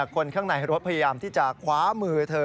คนข้างในรถพยายามที่จะคว้ามือเธอ